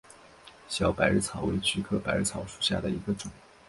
小百日草为菊科百日草属下的一个种。